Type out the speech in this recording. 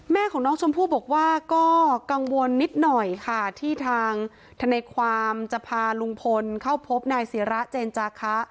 แม่ของน้องชมพู่บอกว่าก็กังวลนิดหน่อยค่ะที่ทางทนายความจะพาลุงพลเข้าพบนายศิระเจนจาคะ